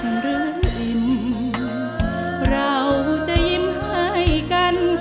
หรืออิ่มเราจะยิ้มให้กัน